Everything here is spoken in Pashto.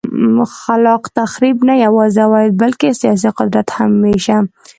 خلاق تخریب نه یوازې عواید بلکه سیاسي قدرت هم وېشه.